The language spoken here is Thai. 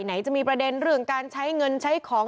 ไหนจะมีประเด็นเรื่องการใช้เงินใช้ของ